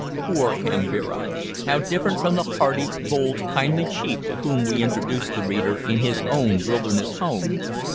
Poor Kambira! How different from the hearty, bold, kindly chief to whom we introduced the reader in his own wilderness home!